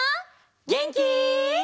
げんき？